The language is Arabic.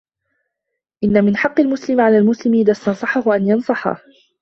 إنَّ مِنْ حَقِّ الْمُسْلِمِ عَلَى الْمُسْلِمِ إذَا اسْتَنْصَحَهُ أَنْ يَنْصَحَهُ